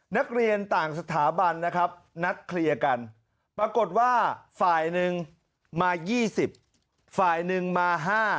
นักเรียนต่างสถาบันนะครับนัดเคลียร์กันปรากฏว่าฝ่ายหนึ่งมา๒๐ฝ่ายหนึ่งมา๕